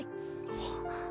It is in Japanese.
あっ。